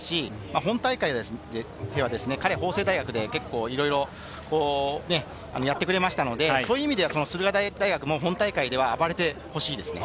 本大会では彼は法政大学で結構いろいろやってくれましたので、駿河台大学も本大会では暴れてほしいです。